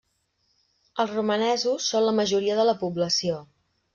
Els romanesos són la majoria de la població.